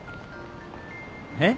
えっ？